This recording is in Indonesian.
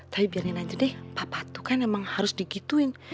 tapi biarin aja deh papa tuh kan emang harus digituin